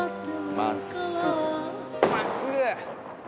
真っすぐ！